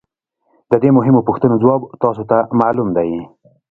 د دې مهمو پوښتنو ځواب تاسو ته معلوم دی